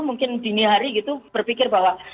mungkin dini hari gitu berpikir bahwa